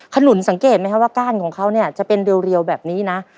ขนุนสังเกตไหมคะว่าก้านของเขาเนี่ยจะเป็นเรียวแบบนี้นะ